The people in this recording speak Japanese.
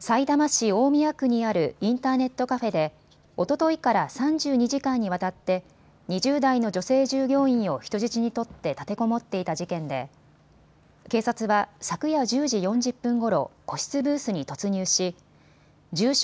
さいたま市大宮区にあるインターネットカフェでおとといから３２時間にわたって２０代の女性従業員を人質に取って立てこもっていた事件で警察は昨夜１０時４０分ごろ、個室ブースに突入し住所